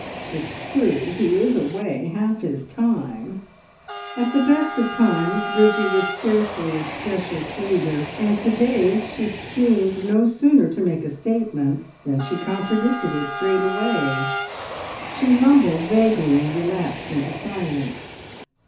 ... It's true he is away half his time " At the best of times Bridgie was scarcely a special pleader, and to day she seemed no sooner to make a statement than she contradicted it straight away. She mumbled vaguely, and relapsed into silence.